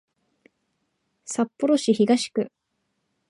札幌市東区